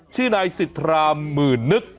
ชื่อนายสิทธาหมื่นนึก